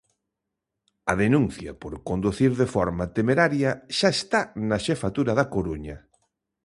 A denuncia por conducir de forma temeraria xa está na xefatura da Coruña.